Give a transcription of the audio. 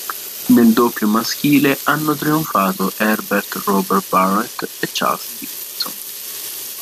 Nel doppio maschile hanno trionfato Herbert Roper-Barrett e Charles Dixon.